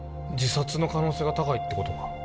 自殺の可能性が高いってことか？